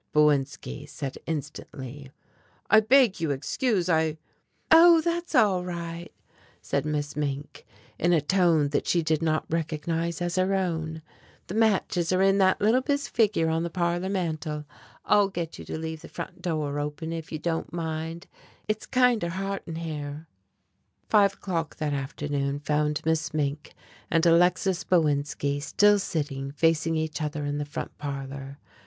Bowinski said instantly. "I beg you excuse, I " "Oh! that's all right," said Miss Mink in a tone that she did not recognize as her own, "the matches are in that little bisque figure on the parlor mantel. I'll get you to leave the front door open, if you don't mind. It's kinder hot in here." Five o'clock that afternoon found Miss Mink and Alexis Bowinski still sitting facing each other in the front parlor.